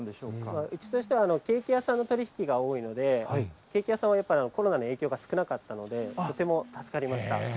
うちとしては、ケーキ屋さんとの取り引きが多いので、ケーキ屋さんはやっぱりコロナの影響が少なかったので、とても助かりました。